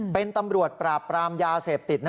เป็นตำรวจปราบปรามยาเสพติด